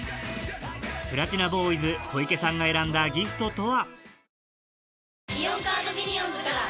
プラチナボーイズ・小池さんが選んだギフトとは？